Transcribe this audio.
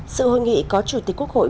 sự hội nghị có chủ tịch quốc hội